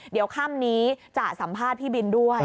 เดี๋ยวค่ำนี้จะสัมภาษณ์พี่บินด้วย